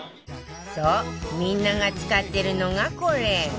そうみんなが使ってるのがこれ